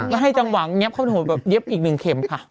ก็ให้จังหวังเงี๊บเข้าไปหัวแบบเย็บอีกหนึ่งเข็มค่ะ